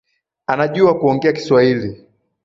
Anajua kuongea kwa kiswahili